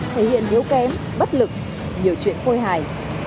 thể hiện yếu kém bất lực nhiều chuyện khôi hải